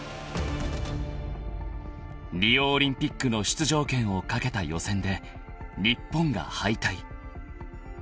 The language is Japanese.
［リオオリンピックの出場権を懸けた予選で日本が敗退］